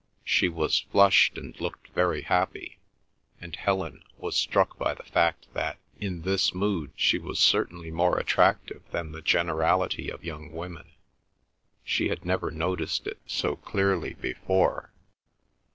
She was flushed and looked very happy, and Helen was struck by the fact that in this mood she was certainly more attractive than the generality of young women. She had never noticed it so clearly before.